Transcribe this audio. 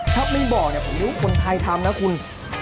ถ้าไม่บอกเนี่ยผมรู้ว่าคนไทยทำนะคุณ